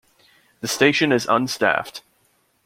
The station is unstaffed.